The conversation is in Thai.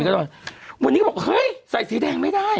ตอนนี้ก็บอกเฮ้ยใส่สีแดงไม่ได้